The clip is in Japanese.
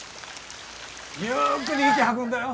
ゆっくり息吐くんだよ。